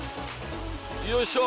よいしょ！